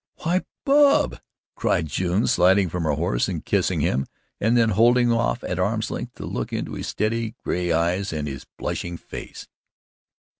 "Why, Bub," cried June, sliding from her horse and kissing him, and then holding him off at arms' length to look into his steady gray eyes and his blushing face.